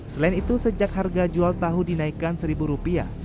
selain itu sejak harga jual tahu dinaikkan rp satu